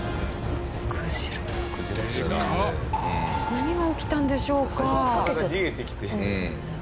何が起きたんでしょうか？